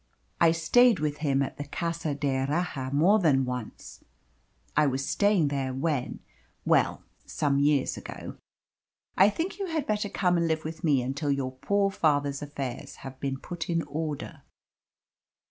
I stayed with him at the Casa d'Erraha more than once. I was staying there when well, some years ago. I think you had better come and live with me until your poor father's affairs have been put in order."